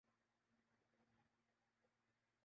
یہ تو پرانی بات ہے۔